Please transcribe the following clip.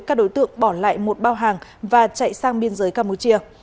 các đối tượng bỏ lại một bao hàng và chạy sang biên giới campuchia